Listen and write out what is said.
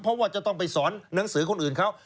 เพราะว่าจะต้องไปสอนหนังสือคนอื่นเขา